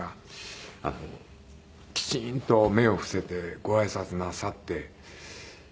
きちんと目を伏せてご挨拶なさって。